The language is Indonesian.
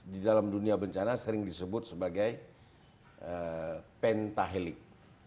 di dalam dunia bencana sering disebut sebagai pentahelik